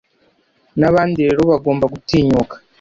n’abandi rero bagomba gutinyuka